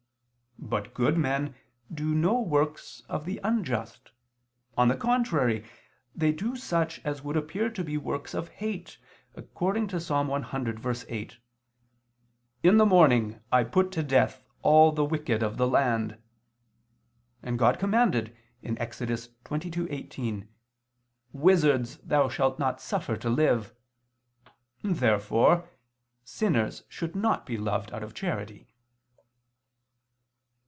But good men do no works of the unjust: on the contrary, they do such as would appear to be works of hate, according to Ps. 100:8: "In the morning I put to death all the wicked of the land": and God commanded (Ex. 22:18): "Wizards thou shalt not suffer to live." Therefore sinners should not be loved out of charity.